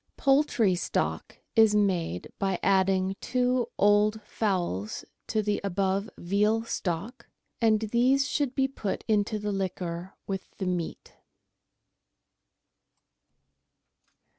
Poultry Stock is made by adding two old fowls to the above veal stock, and these should be put into the liquor with the meat.